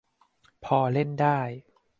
พอเล่นได้